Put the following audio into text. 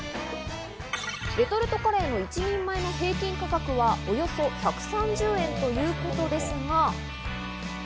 レトルトカレーの１人前の平均価格はおよそ１３０円ということですが。